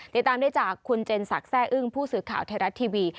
ติดตามได้จากคุณเจนศักดิ์แซ่อึ้งผู้สื่อข่าวไทยรัฐทีวี